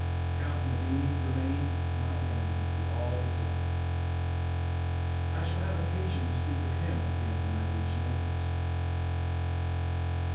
Count Medini remained my enemy through all his life. I shall have occasion to speak of him again when I reach Naples.